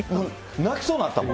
泣きそうになったもん。